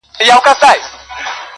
o سلا د مړو هنر دئ٫